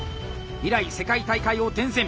以来世界大会を転戦！